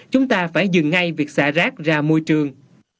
chúng ta phải dừng ngay việc xả rác ra môi trường